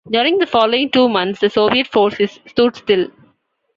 During the following two months the Soviet forces stood still.